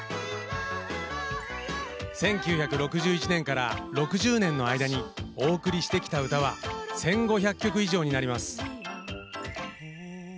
１９６１年から６０年の間にお送りしてきた歌は１５００曲以上になります。